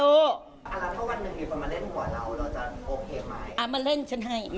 เอาละถ้าวันหนึ่งอีบเอามาเล่นกว่าเราเราจะโอเคไหม